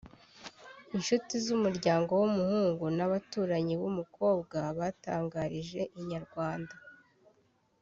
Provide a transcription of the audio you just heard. Inshuti z'umuryango w'umuhungu n'abaturanyi b’umukobwa (Jolie Kiyobe) batangarije Inyarwanda